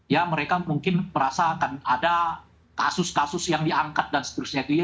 ya mereka mungkin merasakan ada kasus kasus yang diangkat dan seterusnya